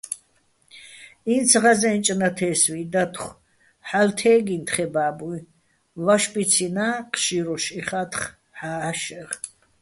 ი́ნც ღაზე́ნჭ ნათე́სვი დათხო̆, ჰ̦ალო̆ თე́გიჼ თხეჼ ბა́ბუჲ, ვაშბიცინა́ ჴშირუშ იხათხ ჰ̦ა́შეღ.